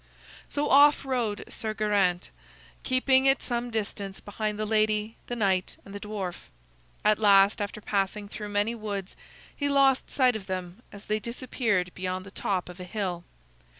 So off rode Sir Geraint, keeping at some distance behind the lady, the knight, and the dwarf. At last, after passing through many woods, he lost sight of them as they disappeared beyond the top of a hill.